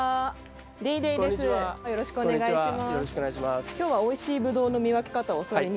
よろしくお願いします。